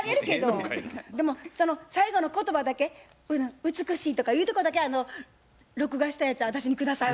でもその最後の言葉だけ「美しい」とかいうとこだけ録画したやつ私にください。